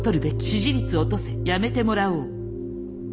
「支持率落とせやめてもらおう」